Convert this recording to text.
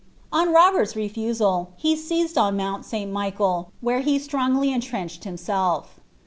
On Robert's refusal, he seized on Mount St. Michael, where be strongly entrenched himself.